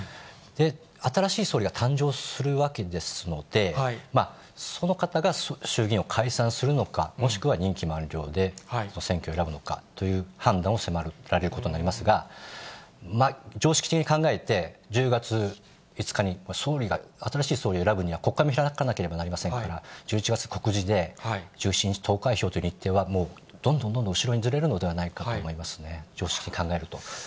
新しい総理が誕生するわけですので、その方が衆議院を解散するのか、もしくは任期満了で選挙を選ぶのかという判断を迫られることになりますが、常識的に考えて、１０月５日に総理が、新しい総理を選ぶには国会も開かなければなりませんから、告示で、１７日投開票という日程はもうどんどんどんどん後ろにずれるのではないかと思いますね、常識的に考えると。